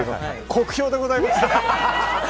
酷評でございます。